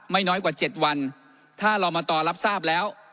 ไม่น้อยกว่าเจ็ดวันถ้ารอมาตอรับทราบแล้ว